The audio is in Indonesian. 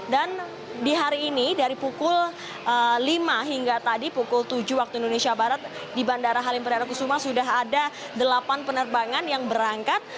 dan di hari ini dari pukul lima hingga tadi pukul tujuh waktu indonesia barat di bandara halim perdana kusuma sudah ada delapan penerbangan yang berangkat